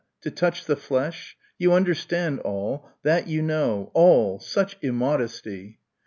To touch the flesh! You understand, all! That you know. All! Such immodesty!"